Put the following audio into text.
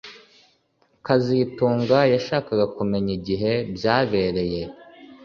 kazitunga yashakaga kumenya igihe byabereye